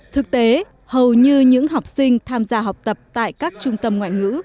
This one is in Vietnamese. thực tế hầu như những học sinh tham gia học tập tại các trung tâm ngoại ngữ